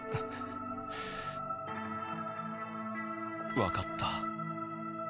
わかった。